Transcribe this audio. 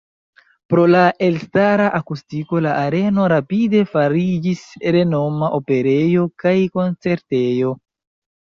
Pro la elstara akustiko la areno rapide fariĝis renoma operejo kaj koncertejo.